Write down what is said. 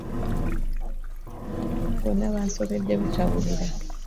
Abaana bonna bansobedde butawulira.